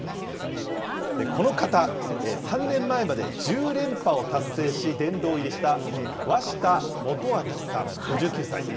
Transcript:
この方、３年前まで１０連覇を達成し、殿堂入りした鷲田基章さん５９歳。